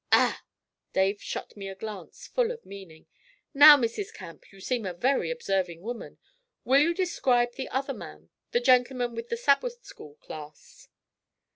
'Ah!' Dave shot me a glance full of meaning. 'Now, Mrs. Camp, you seem a very observing woman. Will you describe the other man the gentleman with the Sabbath school class?'